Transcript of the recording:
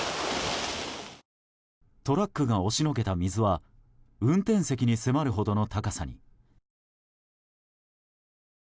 トラックが押しのけた水は運転席に迫るほどの高さに。